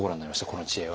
この知恵は。